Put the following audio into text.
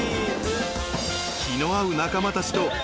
［気の合う仲間たちと］